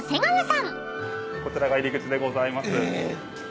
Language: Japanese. こちらが入り口でございます。